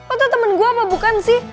atau temen gue apa bukan sih